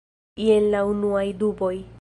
Jen la unuaj duboj.